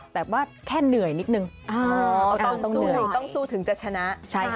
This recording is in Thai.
แต่ว่าแค่เหนื่อยนิดนึงต้องสู้ถึงจะชนะ